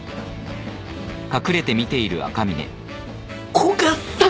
古賀さん！